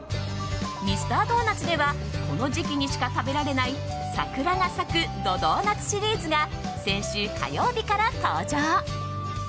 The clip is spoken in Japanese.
ミスタードーナツではこの時期にしか食べられない桜が咲くドドーナツシリーズが先週火曜日から登場。